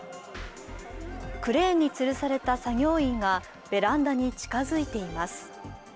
クレーンにつるされた作業員がベランダに近づいています。